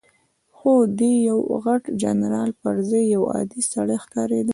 خو دی د یوه غټ جنرال پر ځای یو عادي سړی ښکارېده.